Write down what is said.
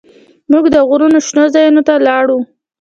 موږ د غرونو شنو ځايونو ته ولاړو.